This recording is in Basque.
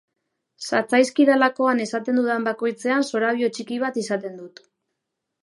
Zatzaizkidalakoan esaten dudan bakoitzean zorabio txiki bat izaten dut.